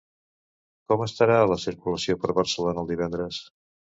Com estarà la circulació per Barcelona el divendres?